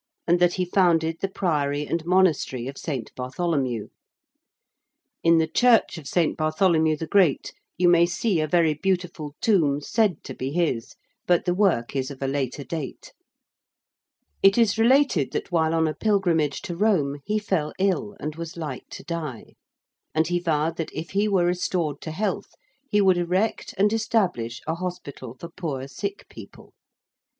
and that he founded the Priory and Monastery of St. Bartholomew. In the church of St. Bartholomew the Great you may see a very beautiful tomb said to be his, but the work is of a later date. It is related that while on a pilgrimage to Rome he fell ill and was like to die. And he vowed that if he were restored to health he would erect and establish a hospital for poor sick people.